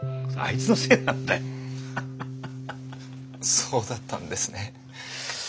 そうだったんですね。